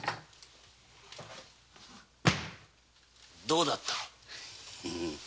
どうだった？